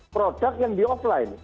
produk yang di offline